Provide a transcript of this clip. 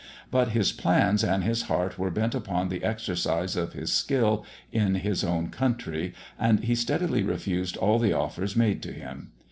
But his plans and his heart were bent upon the exercise of his skill in his own country, and he steadily refused all the offers made to him.